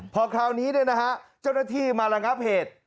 พอคราวนี้นะฮะเจ้าหน้าที่มาหลังงับเหตุ